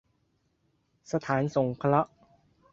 สถานสงเคราะห์